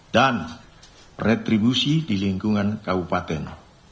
dan retribusi di lingkungan kabupaten